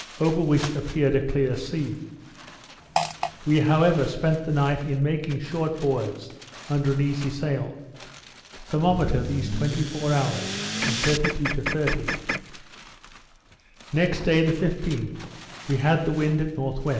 over which appeared a clear sea. We however spent the night in making short boards, under an easy sail. Thermometer, these 24 hours, from 32 to 30. Next day, the 15th, we had the wind at N.W.